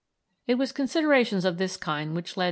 It was considerations of this kind which led M.